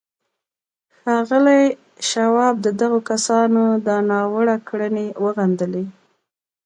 ښاغلي شواب د دغو کسانو دا ناوړه کړنې وغندلې.